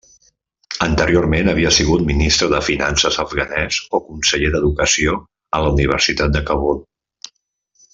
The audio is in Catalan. Anteriorment havia sigut Ministre de Finances afganes o conseller d'educació a la Universitat de Kabul.